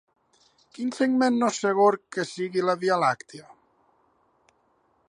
Quin segment no és segur que sigui la Via Làctia?